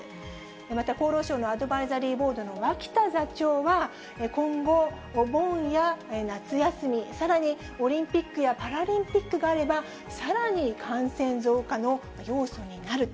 また厚労省のアドバイザリーボードの脇田座長は、今後、お盆や夏休み、さらにオリンピックやパラリンピックがあれば、さらに感染増加の要素になると。